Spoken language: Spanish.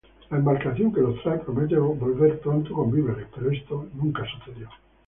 La embarcación que los trae promete volver pronto con víveres... pero esto nunca ocurre.